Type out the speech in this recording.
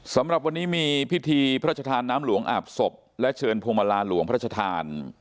สำหรับวันนี้มีพิธีพระอาจารย์น้ำหลวงอาบศพและเชิญพรมลาหลวงพระอาจารย์